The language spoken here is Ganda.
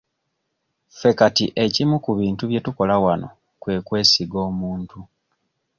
Ffe kati ekimu ku bintu bye tukola wano kwe kwesiga omuntu.